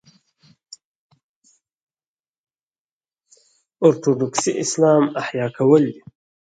اورتوډوکسي اسلام احیا کول دي.